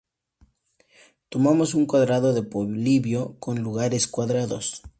Tomamos un cuadrado de Polibio con lugares cuadrados.